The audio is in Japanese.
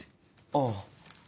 ああ。